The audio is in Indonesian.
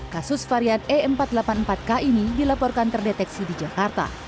kasus varian e empat ratus delapan puluh empat k ini dilaporkan terdeteksi di jakarta